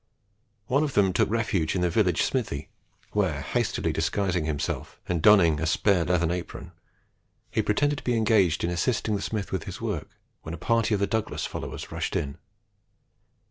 One of them took refuge in the village smithy, where, hastily disguising himself, and donning a spare leathern apron, he pretended to be engaged in assisting the smith with his work, when a party of the Douglas followers rushed in.